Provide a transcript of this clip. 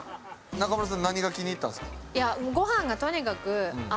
中村さん何が気に入ったんですか？